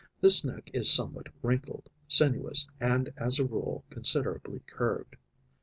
This neck is somewhat wrinkled, sinuous and as a rule considerably curved.